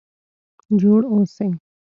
جوړ اوسئ؟